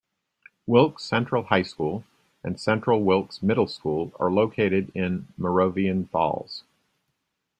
Wilkes Central High School, and Central Wilkes Middle School, are located in Moravian Falls.